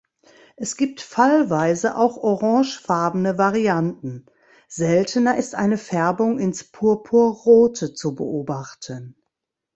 Es gibt fallweise auch orangefarbene Varianten, seltener ist eine Färbung ins Purpurrote zu beobachten.